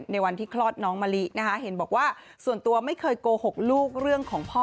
ในวันที่คลอดน้องมะลินะคะเห็นบอกว่าส่วนตัวไม่เคยโกหกลูกเรื่องของพ่อ